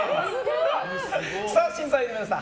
審査員の皆さん